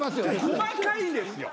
細かいんですよ。